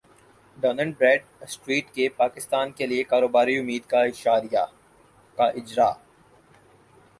done and Bradstreet کے پاکستان کیلیے کاروباری امید کے اشاریہ کا اجرا